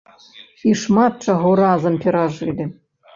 І шмат чаго разам перажылі.